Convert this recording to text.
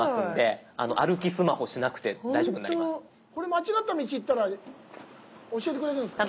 これ間違った道行ったら教えてくれるんですか？